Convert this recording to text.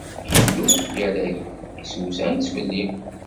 Illu yerra-yi-d, issewseɛ-itt fell-i.